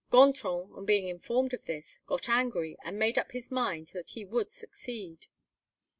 Gontran, on being informed of this, got angry and made up his mind that he would succeed.